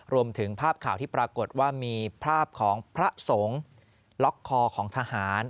รวมถึงภาพข่าวที่ปรากฏว่ามีภาพของพระสงฆ์ล็อกคอของทหาร